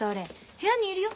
部屋にいるよ。